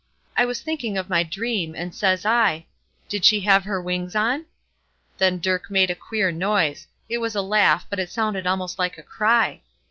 I was thinking of my dream, and says I: 'Did she have her wings on?' Then Dirk made a queer noise; it was a laugh, but it sounded most like a cry.